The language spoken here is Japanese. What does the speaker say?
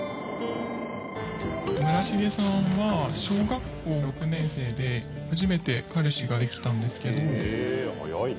「村重さんは小学校６年生で初めて彼氏ができたんですけど」へえ早いね。